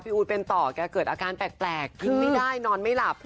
อู๊ดเป็นต่อแกเกิดอาการแปลกกินไม่ได้นอนไม่หลับ